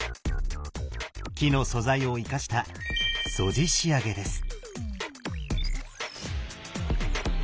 木の素材を生かした「素地仕上げ」です。